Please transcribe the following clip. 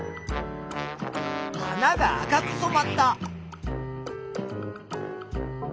花が赤くそまった。